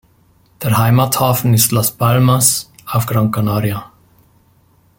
Der Heimathafen ist Las Palmas auf Gran Canaria.